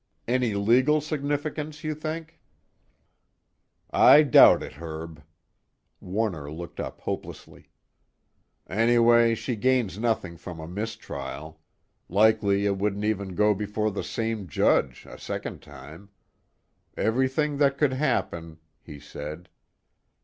Any legal significance, you think?" "I doubt it, Herb." Warner looked up hopelessly. "Anyway she gains nothing from a mistrial. Likely it wouldn't even go before the same judge, a second time. Everything that could happen," he said.